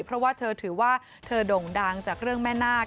เพราะว่าเธอถือว่าเธอด่งดังจากเรื่องแม่นาค